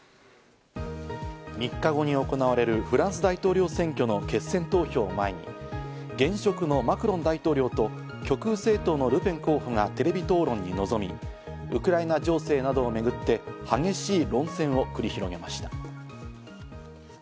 ３日後に行われるフランス大統領選挙の決選投票を前に現職のマクロン大統領と、極右政党のルペン候補がテレビ討論に臨み、ウクライナ情勢などをめぐって激しい論戦を繰り広げました。